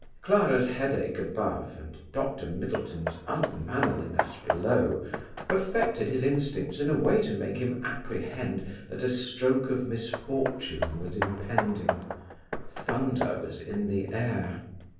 Clara's headache above, and Dr. Middleton's unmannerliness below, affected his instincts in a way to make him apprehend that a stroke of misfortune was impending; thunder was in the air.